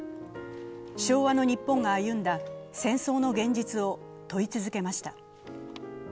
昭和の日本が歩んだ戦争の現実を問い続けました。